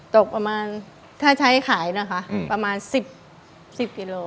ตกประมาณถ้าใช้ขายนะคะประมาณ๑๐กิโล